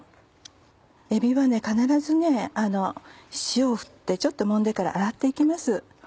えびは必ず塩をふってちょっともんでから洗っていきます。